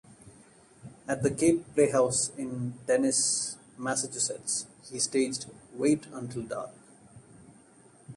At the Cape Playhouse in Dennis, Massachusetts, he staged "Wait Until Dark".